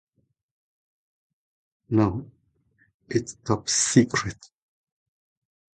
No, it's top secret.